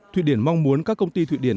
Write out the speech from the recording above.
thụy điển mong muốn các công ty thụy điển